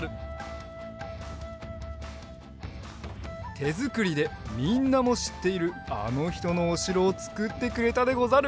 てづくりでみんなもしっているあのひとのおしろをつくってくれたでござる。